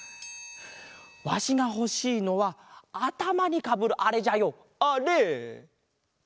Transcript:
わしがほしいのはあたまにかぶるあれじゃよあれ！